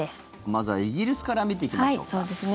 まずはイギリスから見ていきましょうか。